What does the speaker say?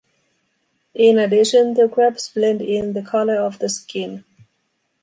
In addition, the crabs blend in the color of the skin.